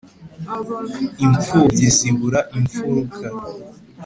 Imfubyi zibura imfuruka